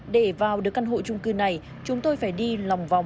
để vào được căn hộ trung cư này chúng tôi phải đi lòng vòng